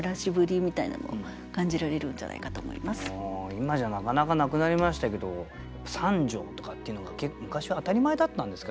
今じゃなかなかなくなりましたけど三畳とかっていうのが結構昔は当たり前だったんですか？